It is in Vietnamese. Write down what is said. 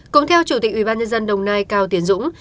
cũng theo chủ tịch ubnd đồng nai cao tiến dũng